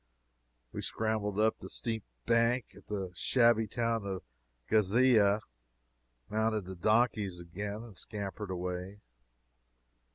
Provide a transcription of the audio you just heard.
We scrambled up the steep bank at the shabby town of Ghizeh, mounted the donkeys again, and scampered away.